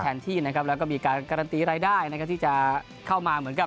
แทนที่นะครับแล้วก็มีการการันตีรายได้นะครับที่จะเข้ามาเหมือนกับ